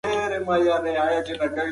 په ښارونو کې لوی ساختمانونه جوړ شوي دي.